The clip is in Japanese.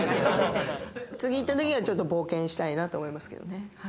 次行ったときはちょっと冒険したいなと思いますけどね。